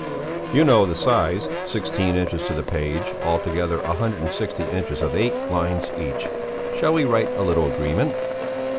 "You know the size? Sixteen inches to the page, altogether a hundred and sixty inches of eight lines each. Shall we write a little agreement?"